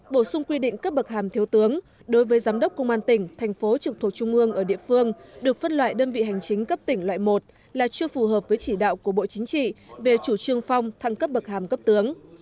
bổ sung quy định cấp bậc hàm thiếu tướng đối với giám đốc công an tỉnh thành phố trực thuộc trung ương ở địa phương được phân loại đơn vị hành chính cấp tỉnh loại một là chưa phù hợp với chỉ đạo của bộ chính trị về chủ trương phong thăng cấp bậc hàm cấp tướng